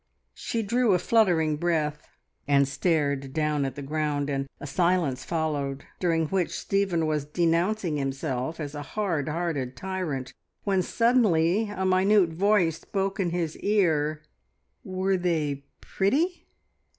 She drew a fluttering breath, and stared down at the ground, and a silence followed during which Stephen was denouncing himself as a hard hearted tyrant, when suddenly a minute voice spoke in his ear "Were they pretty?"